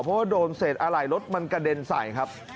เพราะว่าโดนเศษอะไรรถมันกระเด็นใส่ครับ